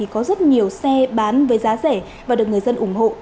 có rất nhiều xe bán với giá rẻ và được người dân ủng hộ